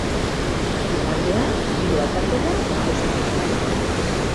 Igandean giro aldakorra nagusituko da.